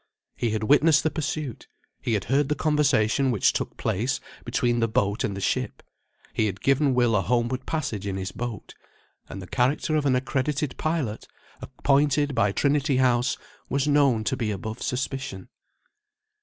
He had witnessed the pursuit, he had heard the conversation which took place between the boat and the ship; he had given Will a homeward passage in his boat. And the character of an accredited pilot, appointed by Trinity House, was known to be above suspicion.